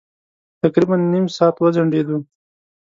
تقريباً نيم ساعت وځنډېدو.